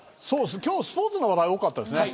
今日スポーツの話題多かったですね。